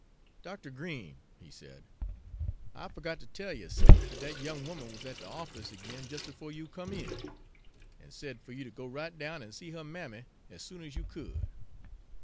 "Doctuh Green," he said, "I fuhgot ter tell you, suh, dat dat young 'oman wuz at de office agin jes' befo' you come in, an' said fer you to go right down an' see her mammy ez soon ez you could."